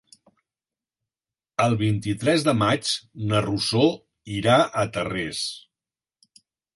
El vint-i-tres de maig na Rosó irà a Tarrés.